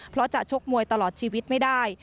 เพราะจะชกมวยตลอดชีวิตไม่ได้